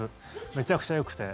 めちゃくちゃよくて。